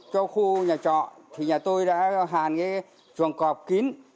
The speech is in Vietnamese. cho khu nhà trọ thì nhà tôi đã hàn cái chuồng cọp kín